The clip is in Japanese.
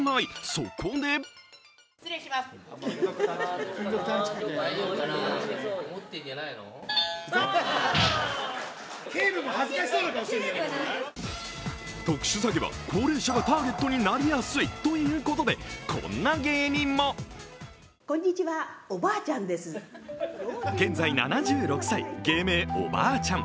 そこで特殊詐欺は高齢者がターゲットになりやすいということで、こんな芸人も現在７６歳、芸名・おばあちゃん。